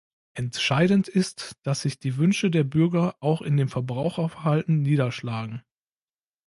Entscheidend ist, dass sich die Wünsche der Bürger auch in dem Verbraucherverhalten niederschlagen.